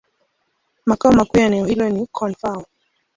Makao makuu ya eneo hilo ni Koun-Fao.